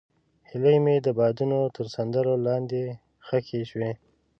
هیلې مې د بادونو تر سندرو لاندې ښخې شوې.